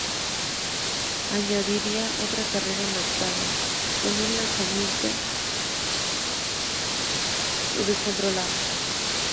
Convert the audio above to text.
Louis añadiría otra carrera en la octava con un lanzamiento descontrolado.